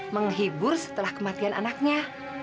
menghibur setelah kematian anaknya